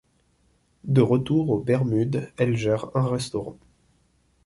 De retour aux Bermudes, elle gère un restaurant.